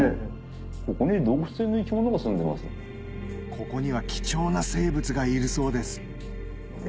ここには貴重な生物がいるそうですえ